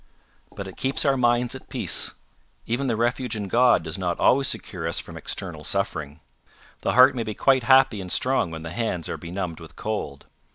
"But it keeps our minds at peace. Even the refuge in God does not always secure us from external suffering. The heart may be quite happy and strong when the hands are benumbed with cold.